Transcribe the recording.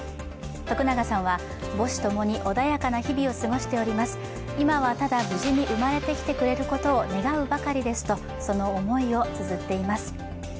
徳永さんは、母子共に穏やかな日々を過ごしております、今はただ無事に生まれてきてくれることを願うばかりですとその思いをつづっています。